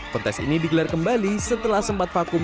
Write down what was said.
kontes ini digelar kembali setelah sempat vakum